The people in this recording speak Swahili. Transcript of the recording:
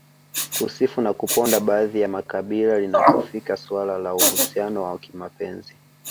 kusifu na kuponda baadhi ya makabila linapofika suala la uhusiano wa kimapenzi